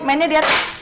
mainnya di atas